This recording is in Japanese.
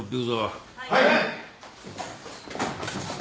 はい！